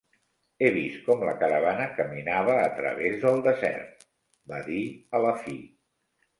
"He vist com la caravana caminava a través del desert", va dir a la fi.